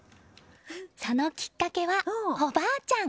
そのきっかけは、おばあちゃん。